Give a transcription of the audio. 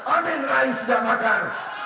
amin rais tidak makar